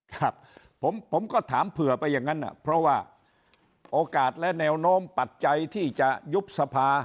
ครับผมก็ถามเผื่อไปอย่างนั้นเพราะว่าโอกาสและแนวโน้มปัจจัยที่จะยุบสภา